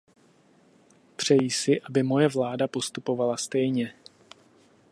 Přeji si, aby moje vláda postupovala stejně.